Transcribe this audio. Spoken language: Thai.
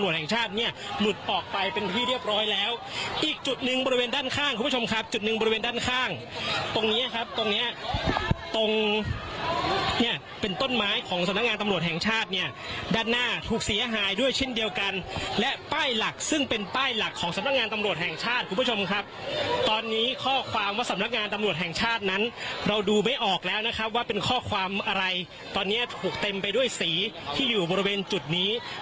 จุดออกไปเป็นที่เรียบร้อยแล้วอีกจุดนึงบริเวณด้านข้างคุณผู้ชมครับจุดนึงบริเวณด้านข้างตรงนี้ครับตรงเนี่ยเป็นต้นไม้ของสำนักงานตำรวจแห่งชาติเนี่ยด้านหน้าถูกเสียหายด้วยเช่นเดียวกันและป้ายหลักซึ่งเป็นป้ายหลักของสำนักงานตำรวจแห่งชาติคุณผู้ชมครับตอนนี้ข้อความว่าสำนักงาน